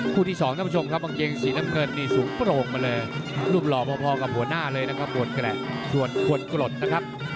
ที่สองท่านผู้ชมครับกางเกงสีน้ำเงินนี่สูงโปร่งมาเลยรูปหล่อพอกับหัวหน้าเลยนะครับปวดแกละส่วนควรกรดนะครับ